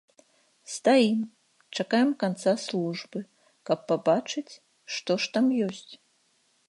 Стаім, чакаем канца службы, каб пабачыць, што ж там ёсць?